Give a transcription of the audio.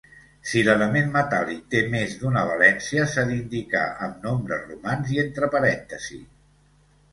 Si l'element metàl·lic té més d'una valència, s'ha d'indicar amb nombres romans i entre parèntesis.